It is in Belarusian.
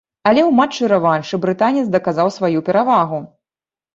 Але ў матчы-рэваншы брытанец даказаў сваю перавагу.